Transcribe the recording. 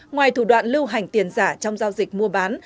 ngoài thủ đoạn lưu hành tiền giả trong giao dịch mua bán